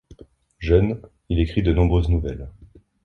Jeune, il écrit de nombreuses nouvelles.